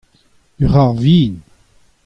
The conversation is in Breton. ur c'har vihan.